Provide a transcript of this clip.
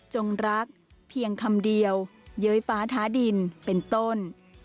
รักเพียงคำเดียวเย้ยฟ้าท้าดินเป็นต้น